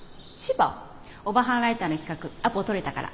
オバハンライターの企画アポとれたから。